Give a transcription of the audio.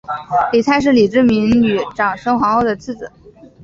李泰是李世民与长孙皇后的次子。